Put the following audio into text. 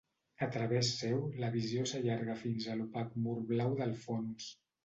A través seu, la visió s'allarga fins a l'opac mur blau del fons.